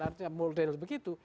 artinya model begitu